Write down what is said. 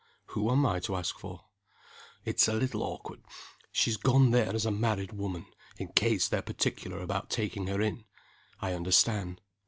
"Who am I to ask for?" "It's a little awkward. She has gone there as a married woman, in case they're particular about taking her in " "I understand.